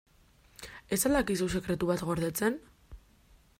Ez al dakizu sekretu bat gordetzen?